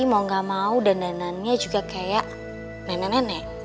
mau gak mau dan danannya juga kayak nenek nenek